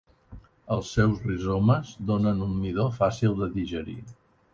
Els seus rizomes donen un midó fàcil de digerir.